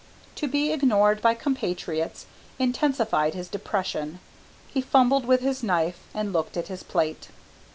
To be ignored by compatriots intensified his depression. He fumbled with his knife and looked at his plate.